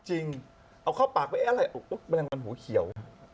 จริงเอาเข้าปากไปอะไรอุ๊ยแมลงมันหูเขียว